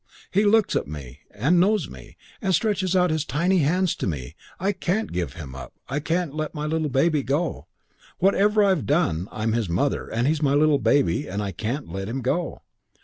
'He looks at me, and knows me, and stretches out his tiny little hands to me, and I can't give him up. I can't let my little baby go. Whatever I've done, I'm his mother and he's my little baby and I can't let him go.'